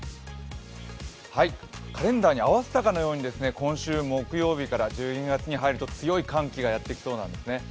カレンダーに合わせたかのうように、今週木曜日から、１２月に入ると強い寒気が入ってきそうなんですよね。